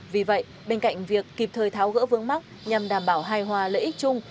vì vậy bên cạnh việc kịp thời tháo gỡ vướng mắt nhằm đảm bảo hài hòa lợi ích chung